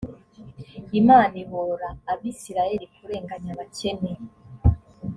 imana ihora abisirayeli kurenganya abakene